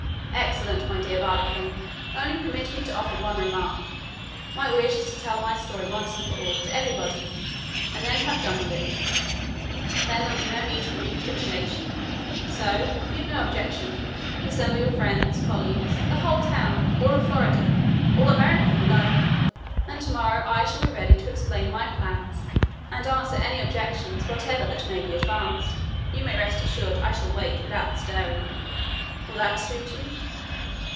"Excellent, my dear Barbicane; only permit me to offer one remark: My wish is to tell my story once for all, to everybody, and then have done with it; then there will be no need for recapitulation. So, if you have no objection, assemble your friends, colleagues, the whole town, all Florida, all America if you like, and to morrow I shall be ready to explain my plans and answer any objections whatever that may be advanced. You may rest assured I shall wait without stirring. Will that suit you?"